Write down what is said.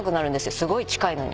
すごい近いのに。